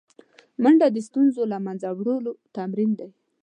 منډه د ستونزو له منځه وړو تمرین دی